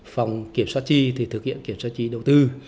phòng kiểm soát chi thì thực hiện kiểm tra chi đầu tư